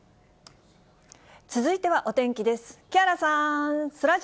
続いてはお天気です。